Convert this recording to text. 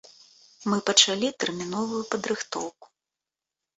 Мы пачалі тэрміновую падрыхтоўку.